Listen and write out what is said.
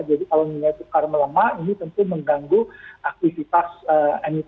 jadi kalau nilai tukar melemah ini tentu mengganggu aktivitas emisan dalam negara